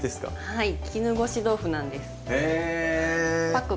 はい。